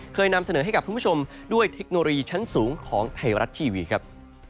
นำเสนอให้กับคุณผู้ชมด้วยเทคโนโลยีชั้นสูงของไทยรัฐทีวีครับ